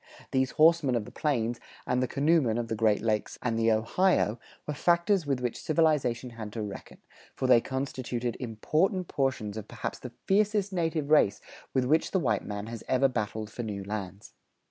These horsemen of the plains and the canoemen of the Great Lakes and the Ohio were factors with which civilization had to reckon, for they constituted important portions of perhaps the fiercest native race with which the white man has ever battled for new lands.